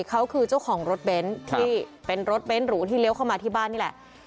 เขาคือเจ้าของรถเบนท์ที่เป็นรถเบ้นหรูที่เลี้ยวเข้ามาที่บ้านนี่แหละ